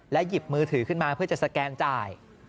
หยิบมือถือขึ้นมาเพื่อจะสแกนจ่าย